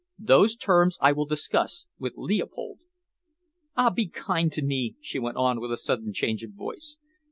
Those terms I will discuss with Leopold. Ah, be kind to me!" she went on, with a sudden change of voice.